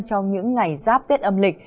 trong những ngày giáp tiết âm lịch